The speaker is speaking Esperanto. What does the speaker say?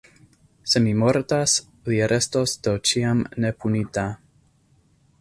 Se mi mortas, li restos do ĉiam nepunita.